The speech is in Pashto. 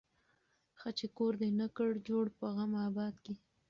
ښه چي کور دي نه کړ جوړ په غم آباد کي